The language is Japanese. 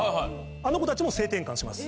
あの子たちも性転換します